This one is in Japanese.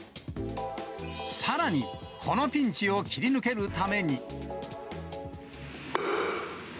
さらにこのピンチを切り抜けるために。